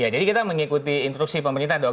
jadi kita mengikuti instruksi pemerintah doang